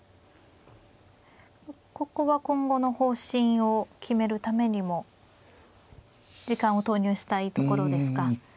ここは今後の方針を決めるためにも時間を投入したいところですか。